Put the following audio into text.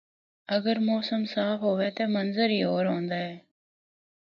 اگر موسم صاف ہوے تے منظر ہی ہور ہوندا ہے۔